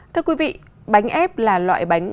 thưa quý vị bánh ép là loại bánh